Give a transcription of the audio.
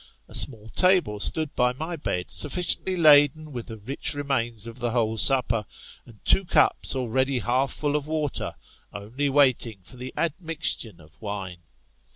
A small table stood by my bed, sufficiently laden with the rich remains of the whole supper, and two cups already half full of water, only waiting for the admixtion of wine.